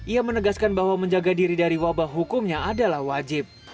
ia menegaskan bahwa menjaga diri dari wabah hukumnya adalah wajib